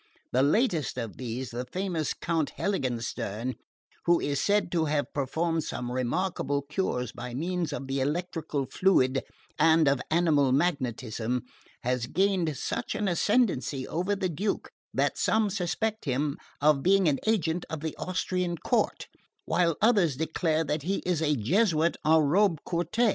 The latest of these, the famous Count Heiligenstern, who is said to have performed some remarkable cures by means of the electrical fluid and of animal magnetism, has gained such an ascendancy over the Duke that some suspect him of being an agent of the Austrian court, while others declare that he is a Jesuit en robe courte.